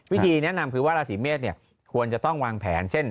วิธีแนะนำคือว่าราศีเมษควรจะต้องวางแผนเช่น